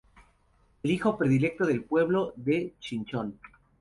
Es hijo predilecto del pueblo de Chinchón.